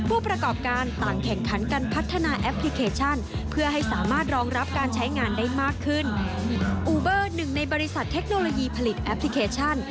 อูเบอร์หนึ่งในบริษัทเทคโนโลยีผลิตแอปพลิเคชัน